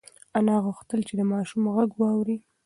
انا غوښتل چې د ماشوم غږ واوري.